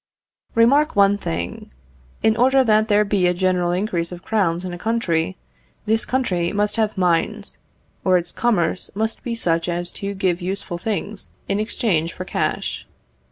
Remark one thing. In order that there be a general increase of crowns in a country, this country must have mines, or its commerce must be such as to give useful things in exchange for cash.